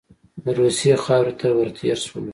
د روسیې خاورې ته ور تېر شولو.